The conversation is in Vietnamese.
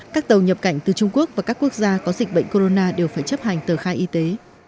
các tàu nhập cảnh từ trung quốc và các quốc gia có dịch bệnh corona đều phải chấp hành tờ khai y tế